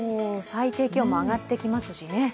最低気温も上がってきますしね。